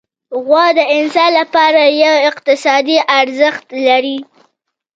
غوا د انسان لپاره یو اقتصادي ارزښت لري.